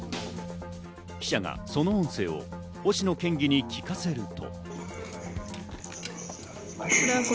記者がその音声を星野県議に聞かせると。